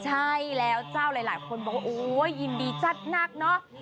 ใช่แล้วเจ้าหลายคนบอกโอ้ยยินดีจัดหนักเนอะ